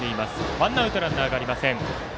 ワンアウトランナーがありません。